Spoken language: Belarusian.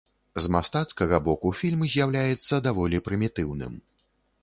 З мастацкага боку фільм з'яўляецца даволі прымітыўным.